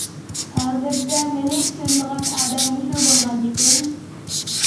ھازىرچە مېنى چۈشىنىدىغان ئادەم مۇشۇ بولغاندىكىن.